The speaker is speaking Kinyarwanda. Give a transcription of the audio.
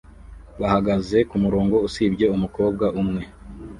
bahagaze kumurongo usibye umukobwa umwe